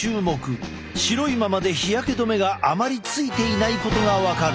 白いままで日焼け止めがあまりついていないことが分かる。